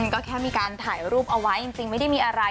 ก็แค่มีการถ่ายรูปเอาไว้จริงไม่ได้มีอะไร